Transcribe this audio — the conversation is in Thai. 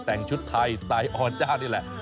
แต่งชุดไทยสไตล์ออเจ้านี่แหละ